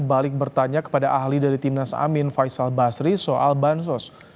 balik bertanya kepada ahli dari timnas amin faisal basri soal bansos